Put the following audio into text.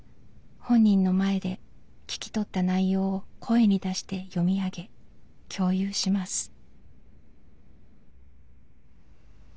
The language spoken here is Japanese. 本人の前で聞き取った内容を声に出して読み上げ共有します。